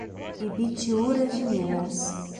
Ibitiúra de Minas